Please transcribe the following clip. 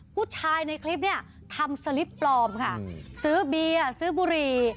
ผู้ชายในคลิปเนี่ยทำสลิปปลอมค่ะซื้อเบียร์ซื้อบุหรี่